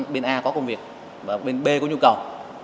bên a có công việc và bên b có nhu cầu